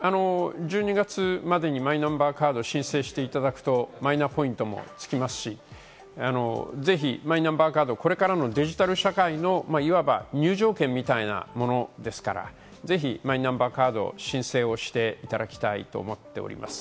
１２月までにマイナンバーカードを申請していただくと、マイナポイントもつきますし、ぜひマイナンバーカード、これからのデジタル社会のいわば入場券みたいなものですから、ぜひマイナンバーカードを申請していただきたいと思っております。